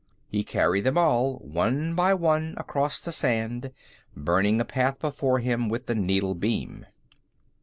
He carried them all, one by one, across the sand, burning a path before him with the needle beam.